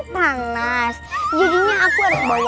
kalas jadinya aku